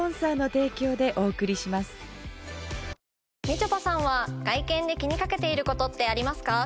みちょぱさんは外見で気にかけていることってありますか？